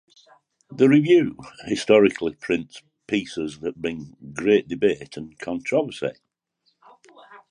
The "Review" historically prints pieces that bring great debate and controversy.